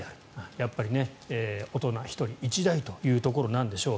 やっぱり大人１人１台というところなんでしょう。